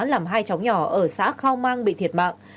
làm hai chóng nhỏ ở xã khao mang bị thiệt mạng